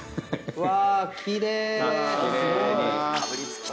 うわ。